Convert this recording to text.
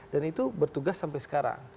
dan itu bertugas sampai sekarang